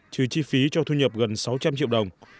trừ chi phí cho thu nhập gần sáu trăm linh triệu đồng